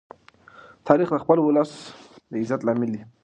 تاریخ د خپل ولس د عزت لامل دی.